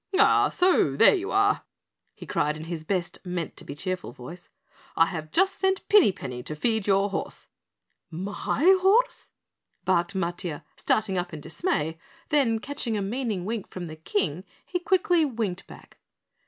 "Ah, so there you are?" he cried in his best meant to be cheerful voice. "I have just sent Pinny Penny to feed your horse." "My horse?" barked Matiah, starting up in dismay, then catching a meaning wink from the King, he quickly winked back.